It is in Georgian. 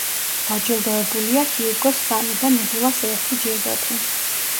დაჯილდოებულია ჰიუგოს სამი და ნებულას ერთი ჯილდოთი.